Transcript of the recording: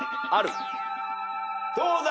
どうだ？